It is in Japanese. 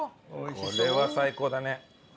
これは最高だね。